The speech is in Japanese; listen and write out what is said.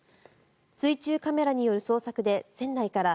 水中カメラによる捜索で船内から